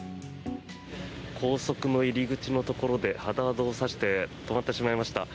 高速の入り口のところでハザードを出して止まってしまいました。